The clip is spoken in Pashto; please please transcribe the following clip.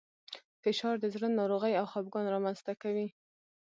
فشار د زړه ناروغۍ او خپګان رامنځ ته کوي.